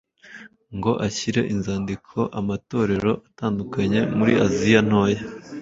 ngo ashyire inzandiko amatorero atandukanye yo muri Aziya ntoya,